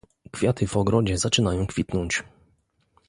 Kwiaty w ogrodzie zaczynają kwitnąć.